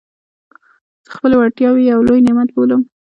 زه خپلي وړتیاوي یو لوی نعمت بولم.